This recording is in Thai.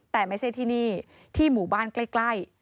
แต่ไม่ใช่ที่นี่ที่หมู่บ้านใกล้